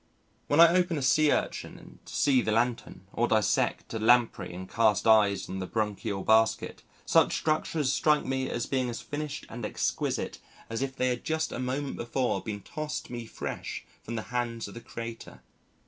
When I open a Sea Urchin and see the Lantern, or dissect a Lamprey and cast eyes on the branchial basket, such structures strike me as being as finished and exquisite as if they had just a moment before been tossed me fresh from the hands of the Creator.